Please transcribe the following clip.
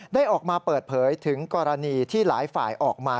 ได้ออกมาเปิดเผยถึงกรณีที่หลายฝ่ายออกมา